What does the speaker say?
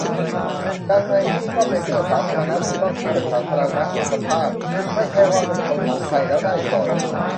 ยังไงนี่ก็เป็นเรื่องสาธารณสุข ต้องคิดแบบสาธารณะ-สุขภาพ ไม่ใช่ว่าเป็นคนของใครแล้วได้ก่อน